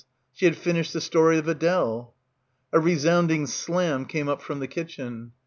She had finished the story of Adele. A resounding slam came up from the kitchen.